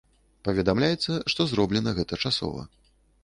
Паведамляецца, што зроблена гэта часова.